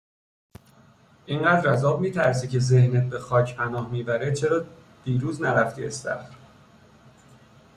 اینقدر از آب میترسی که ذهنت به خاک پناه میبره چرا دیروز نرفتی استخر؟